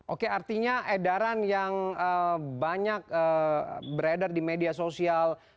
oke artinya edaran yang banyak beredar di media sosial